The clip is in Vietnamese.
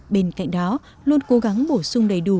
bên cạnh đó luôn cố gắng bổ sung đầy đủ